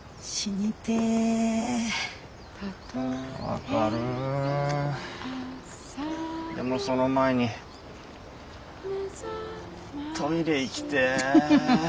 分かるでもその前にトイレ行きてえ。